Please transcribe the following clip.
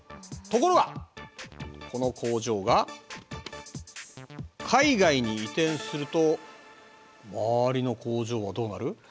ところがこの工場が海外に移転すると周りの工場はどうなる？